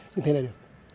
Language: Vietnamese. nhưng thế này được